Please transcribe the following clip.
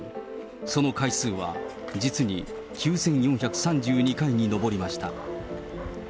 その回数は実に９４３２回に上りました。